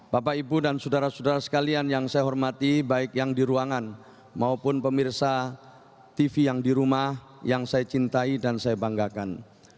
bapak ibu dan saudara saudara sekalian yang saya hormati baik yang di ruangan maupun pemirsa tv yang di rumah yang saya cintai dan saya banggakan